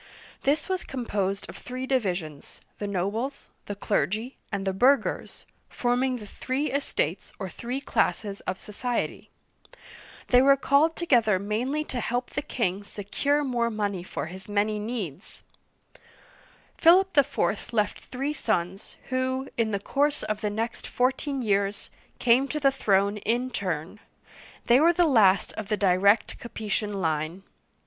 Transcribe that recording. This was composed of three divisions, — the nobles, the clergy, and the burghers, — forming the three estates or three classes of society. They were Digitized by VjOOQIC 144 OLD FRANCE called together mainly to help the king secure more money for his many needs. Philip IV. left three sons, who, in the course of the next fourteen years, came to the throne in turn ; they were the last of the direct Capetian line.